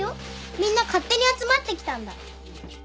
みんな勝手に集まってきたんだ。